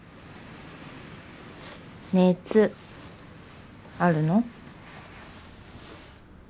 熱あるの？